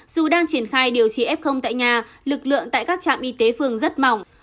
dù đang triển khai điều trị f tại nhà lực lượng tại các trạm y tế phường rất mỏng